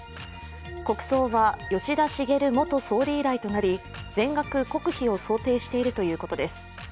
国葬は吉田茂元総理以来となり全額国費を想定しているということです。